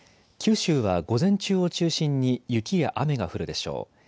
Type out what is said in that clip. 九州は午前中を中心に雪や雨が降るでしょう。